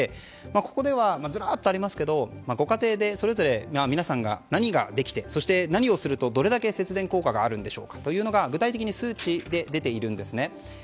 ここではずらっとありますけどご家庭でそれぞれ皆さんが何ができて何をするとどれだけ節電効果があるか具体的に数値で出ているんですね。